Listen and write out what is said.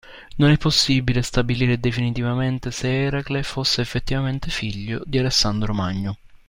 Non è possibile stabilire definitivamente se Eracle fosse effettivamente figlio di Alessandro Magno.